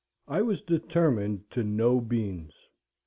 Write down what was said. I was determined to know beans.